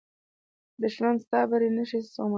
دښمن ستا بری نه شي زغملی